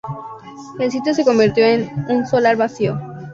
El sitio se convirtió en un solar vacío.